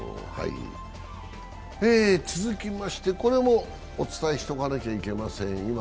続きまして、これもお伝えしておかなきゃいけません。